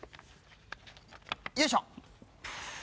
よいしょ。